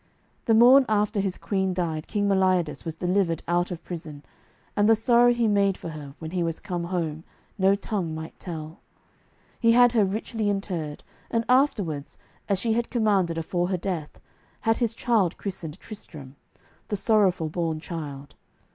The morn after his queen died King Meliodas was delivered out of prison, and the sorrow he made for her, when he was come home, no tongue might tell. He had her richly interred, and afterwards, as she had commanded afore her death, had his child christened Tristram, the sorrowful born child.